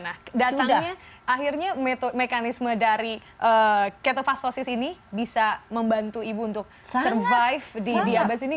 nah datangnya akhirnya mekanisme dari ketofastosis ini bisa membantu ibu untuk survive di diabetes ini